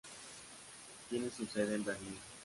Tiene su sede en Berlín.